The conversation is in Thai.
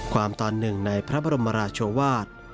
ตอนหนึ่งในพระบรมราชวาส